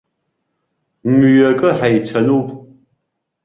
Мҩакы ҳаицануп.